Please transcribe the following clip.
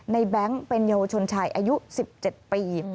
แบงค์เป็นเยาวชนชายอายุ๑๗ปี